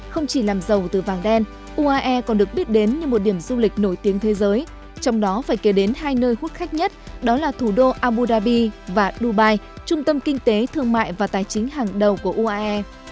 không chỉ làm giàu từ vàng đen uae còn được biết đến như một điểm du lịch nổi tiếng thế giới trong đó phải kể đến hai nơi khuất khách nhất đó là thủ đô abu dhabi và dubai trung tâm kinh tế thương mại và tài chính hàng đầu của uae